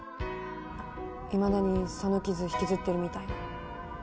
いまだにその傷引きずってるみたいなの。